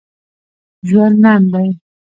ژوند لنډ دی